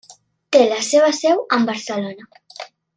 Té la seva seu en Barcelona.